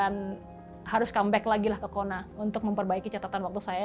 dan harus comeback lagi lah ke kona untuk memperbaiki catatan waktu saya